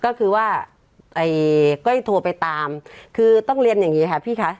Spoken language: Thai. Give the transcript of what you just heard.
ก็คือว่าก้อยโทรไปตามคือต้องเรียนอย่างนี้ค่ะพี่คะ